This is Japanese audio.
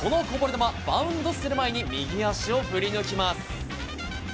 こぼれ球をバウンドする前に右足を振り抜きます。